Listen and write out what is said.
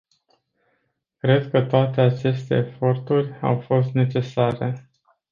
Cred că toate aceste eforturi au fost necesare.